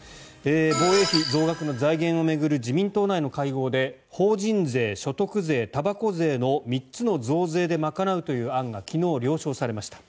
防衛費、増額の財源を巡る自民党内の会合で法人税、所得税、たばこ税の３つの増税で賄うという案が昨日、了承されました。